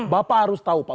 bapak harus tahu pak